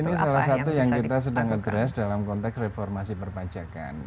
ini salah satu yang kita sedang ngedres dalam konteks reformasi perpajakan